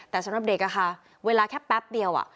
แต่สำหรับเด็กเวลาแค่แป๊บเดียว